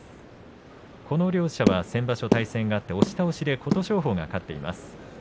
この両者は先場所対戦があって押し倒しで琴勝峰が勝っています。